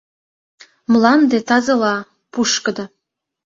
Мланде тазыла, пушкыдо.